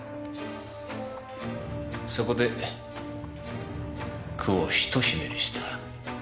そこで句をひとひねりした。